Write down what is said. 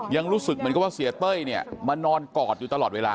ยังรู้สึกเหมือนกับว่าเสียเต้ยเนี่ยมานอนกอดอยู่ตลอดเวลา